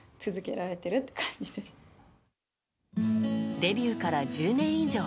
デビューから１０年以上。